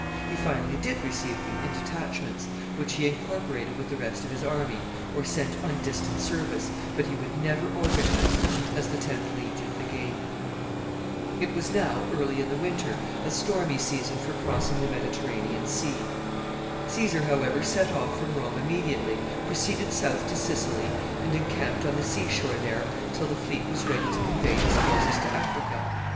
He finally did receive them in detachments, which he incorporated with the rest of his army, or sent on distant service, but he would never organize them as the tenth legion again. [Sidenote: Caesar goes to Africa.] [Sidenote: Cato shuts himself up in Africa.] It was now early in the winter, a stormy season for crossing the Mediterranean Sea. Caesar, however, set off from Rome immediately, proceeded south to Sicily, and encamped on the sea shore there till the fleet was ready to convey his forces to Africa.